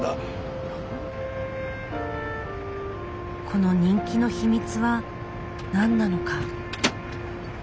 この人気の秘密は何なのか。